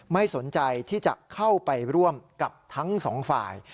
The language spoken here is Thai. ไม่สนใจที่จะเข้าไปร่วมกับทั้งสองฝ่าย